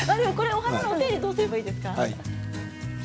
お花のお手入れはどうすればいいですか。